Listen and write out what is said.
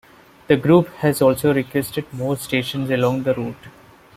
The group has also requested more stations along the route.